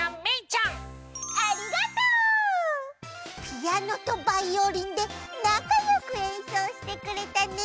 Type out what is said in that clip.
ピアノとバイオリンでなかよくえんそうしてくれたね！